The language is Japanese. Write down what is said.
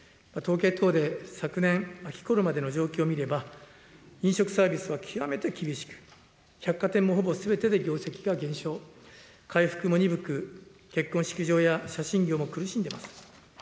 統計等で昨年秋ころまでの状況を見れば、飲食サービスは極めて厳しく、百貨店もほぼすべてで業績が減少、回復も鈍く、結婚式場や写真業も苦しんでいます。